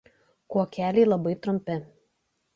Kuokeliai labai trumpi.